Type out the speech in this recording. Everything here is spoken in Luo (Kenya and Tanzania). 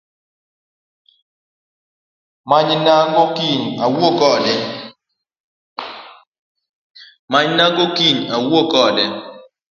Manyna go kiny awuo kode